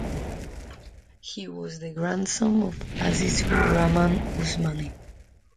He was the grandson of Azizur Rahman Usmani.